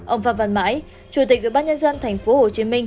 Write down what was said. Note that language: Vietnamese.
ông phạm văn mãi chủ tịch ubnd tp hcm